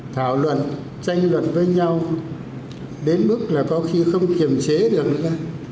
thảo luận tranh luận với nhau đến mức là có khi không kiềm chế được nữa